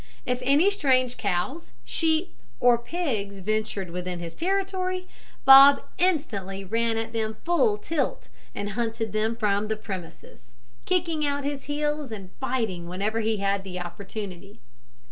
If any strange cows, sheep, or pigs ventured within his territory, Bob instantly ran at them full tilt, and hunted them from the premises, kicking out his heels and biting whenever he had the opportunity.